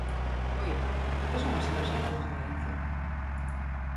¡Oia!, ¿que son as Emerxencias de Galicia?